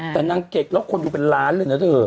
แต่หนังเก็กเราคนดูเป็นล้านเลยนะเถอะ